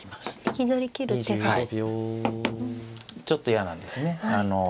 ちょっと嫌なんですね。